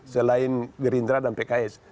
selain gerindra dan pks